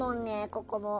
ここも。